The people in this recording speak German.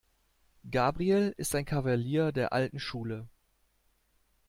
Gabriel ist ein Kavalier der alten Schule.